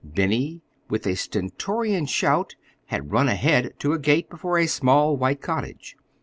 Benny, with a stentorian shout, had run ahead to a gate before a small white cottage.